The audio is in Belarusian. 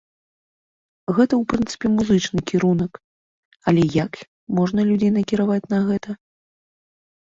Гэта ў прынцыпе музычны кірунак, але як можна людзей накіраваць на гэта?